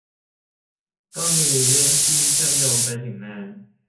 ก็มีเรื่องที่เชื่อมโยงไปถึงงาน